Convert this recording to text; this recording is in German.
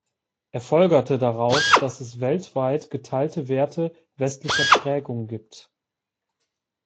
Er folgerte daraus, dass es weltweit geteilte Werte westlicher Prägung gibt.